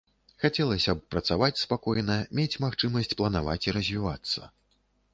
Хацелася б працаваць спакойна, мець магчымасць планаваць і развівацца.